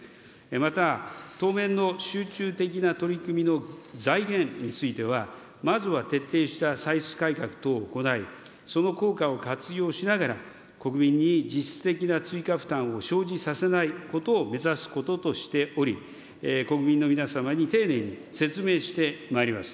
また当面の集中的な取り組みの財源については、まずは徹底した歳出改革等を行い、その効果を活用しながら、国民に実質的な実質的な負担を生じさせないことを目指すこととしており、国民の皆様に丁寧に説明してまいります。